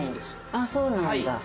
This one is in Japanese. ああそうなんだ。